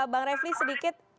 bang revli sedikit